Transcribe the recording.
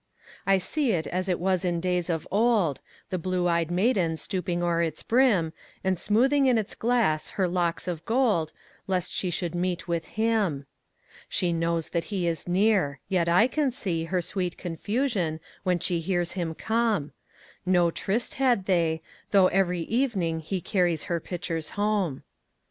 I see it as it was in days of old, The blue ey'd maiden stooping o'er its brim, And smoothing in its glass her locks of gold, Lest she should meet with him. She knows that he is near, yet I can seeHer sweet confusion when she hears him come.No tryst had they, though every evening heCarries her pitchers home.